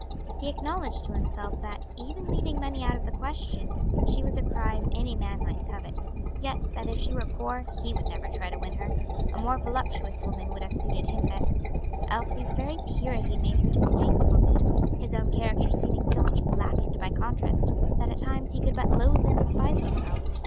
He acknowledged to himself that, even leaving money out of the question, she was a prize any man might covet; yet that if she were poor, he would never try to win her. A more voluptuous woman would have suited him better. Elsie's very purity made her distasteful to him, his own character seeming so much blackened by contrast that at times he could but loathe and despise himself.